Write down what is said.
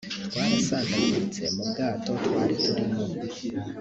twarasandaguritse mu bwato twari turimo